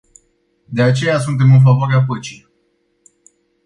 De aceea suntem în favoarea păcii.